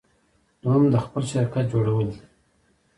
دوهم د خپل شرکت جوړول دي.